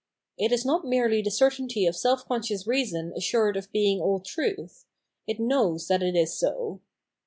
It is not merely the certainty of self conscious reason assured of being aU truth ; it knows that it is so.